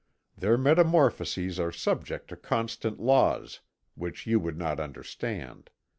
Their metamorphoses are subject to constant laws, which you would not understand.